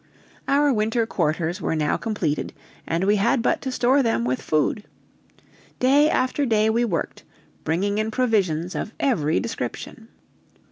Our winter quarters were now completed, and we had but to store them with food. Day after day we worked, bringing in provisions of every description.